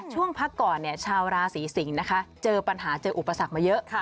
พักก่อนชาวราศีสิงศ์นะคะเจอปัญหาเจออุปสรรคมาเยอะ